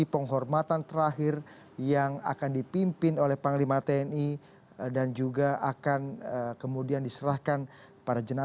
perhatian tentang hal kerja